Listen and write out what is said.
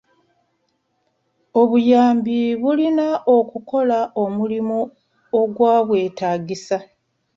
Obuyambi bulina okukola omulimu ogwabwetaagisa.